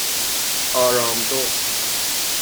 آرامدخت